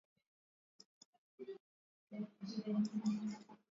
Iliripoti kuwa serikali imesitisha kwa upande mmoja mazungumzo na Saudi.